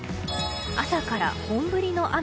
朝から本降りの雨。